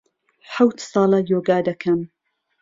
حهوت ساڵه یۆگا دهکهم